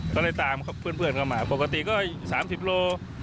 เขาเลยตามเพื่อนกลัวมาปกติก็๓๐กิโล